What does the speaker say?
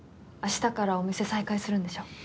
明日からお店再開するんでしょ？